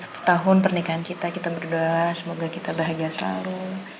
satu tahun pernikahan kita kita berdua semoga kita bahagia selalu